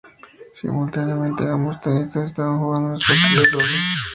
Simultáneamente, ambos tenistas estaban jugando los partidos de dobles.